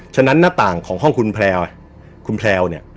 หน้าต่างของห้องคุณแพลวคุณแพลวเนี่ย